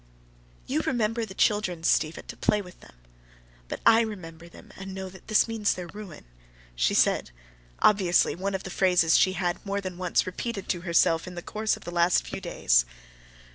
"You remember the children, Stiva, to play with them; but I remember them, and know that this means their ruin," she said—obviously one of the phrases she had more than once repeated to herself in the course of the last few days.